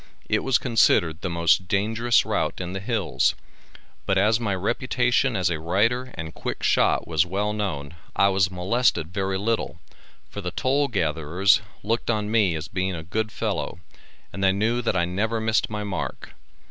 It was considered the most dangerous route in the Hills, but as my reputation as a rider and quick shot was well known, I was molested very little, for the toll gatherers looked on me as being a good fellow, and they knew that I never missed my mark.